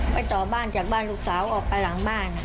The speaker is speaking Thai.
ไม่ต่อบ้านจากบ้านลูกสาวออกไปหลังบ้าน